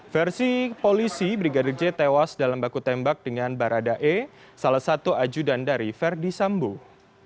versi polisi brigadir j tewas dalam baku tembak dengan baradae salah satu ajudan dari verdi sambo